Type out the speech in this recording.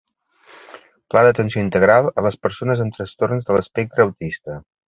Pla d'atenció integral a les persones amb Trastorns de l'Espectre Autista.